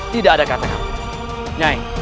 tidak ada katakan